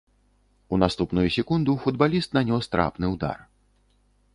У наступную секунду футбаліст нанёс трапны ўдар.